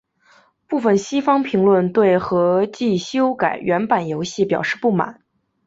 部分西方评论对合辑修改原版游戏表示不满。